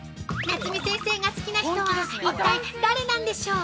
◆夏見先生が好きな人は一体誰なんでしょう？